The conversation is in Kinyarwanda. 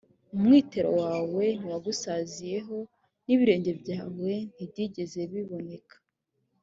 umwitero wawe ntiwagusaziyeho n ibirenge byawe ntibyigeze biboneka